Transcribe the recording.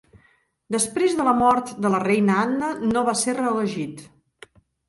Després de la mort de la reina Anna, no va ser reelegit.